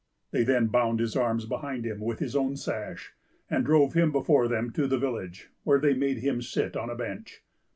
They then bound his arms behind him with his own sash, and drove him before them to the village, where they made him sit on a bench.